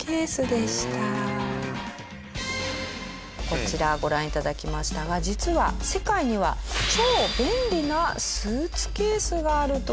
こちらご覧いただきましたが実は世界には超便利なスーツケースがあるという事で。